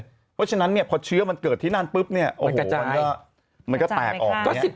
เพราะฉะนั้นพอเชื้อมันเกิดที่นั่นปุ๊บมันก็แตกออก